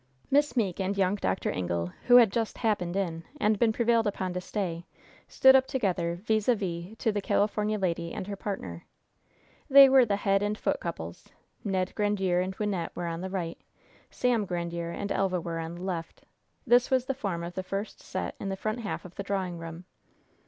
Miss Meeke and young Dr. Ingle, who had "just happened in and been prevailed upon to stay," stood up together vis à vis to the California lady and her partner. They were the head and foot couples. Ned Grandiere and Wynnette were on the right, Sam Grandiere and Elva were on the left. This was the form of the first set in the front half of the drawing room.